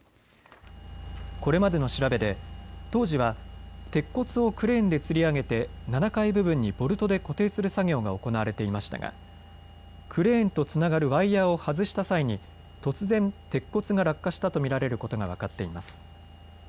これまでの調べで当時は鉄骨をクレーンでつり上げて７階部分にボルトで固定する作業が行われていましたがクレーンとつながるワイヤーを外した際に突然、鉄骨が落下したと見られることが分かっています。